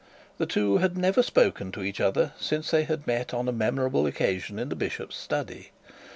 The two had never spoken to each other since they had met on a memorable occasion in the bishop's study.